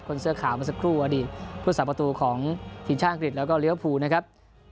เสื้อขาวเมื่อสักครู่อดีตผู้สาประตูของทีมชาติอังกฤษแล้วก็เลี้ยวภูนะครับ